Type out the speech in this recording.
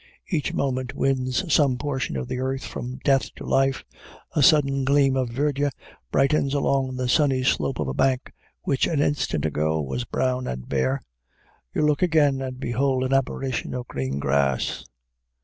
Each moment wins some portion of the earth from death to life; a sudden gleam of verdure brightens along the sunny slope of a bank which an instant ago was brown and bare. You look again, and, behold an apparition of green grass!